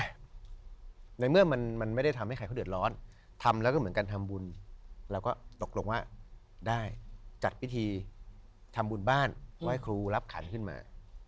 ก็อ่ะในเมื่อมันไม่ได้ทำให้ใครคนเดือดร้อนทำแล้วก็เหมือนการทำบุญแล้วก็ตกลงว่าได้จัดบิถีทำบุญบ้านเพื่อให้ครูรับขันขึ้นมัน